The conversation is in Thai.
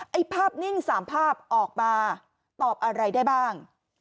ไอ้ภาพนิ่ง๓ภาพออกมาตอบอะไรได้บ้าง